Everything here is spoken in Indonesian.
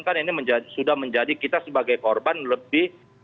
kan ini sudah menjadi kita sebagai korban lebih